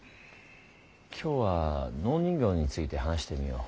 今日は農人形について話してみよう。